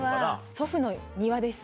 祖父の庭です